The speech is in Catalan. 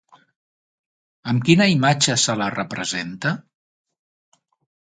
Amb quina imatge se la representa?